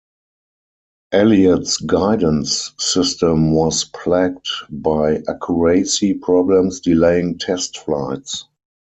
Elliots guidance system was plagued by accuracy problems delaying test flights.